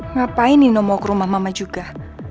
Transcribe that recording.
ngapain nino mau ke rumah mama juga